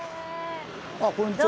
あっこんにちは。